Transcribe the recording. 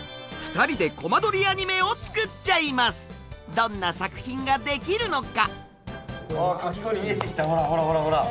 どんな作品ができるのか！